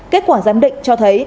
kết quả giám định cho thấy